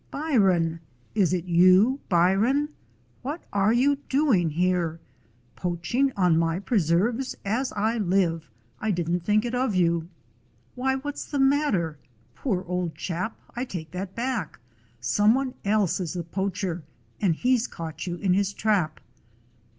"Byron! And is it you, Byron;? What are you doing here? Poaching on my pre serves, as I live! I didn't think it of you. 125 DOG HEROES OF MANY LANDS Why, what's the matter? Poor old chap, I take that back. Some one else is the poacher, and he 's caught you in his trap."